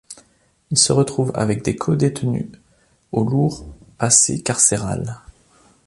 Il se retrouve avec des codétenus au lourd passé carcéral.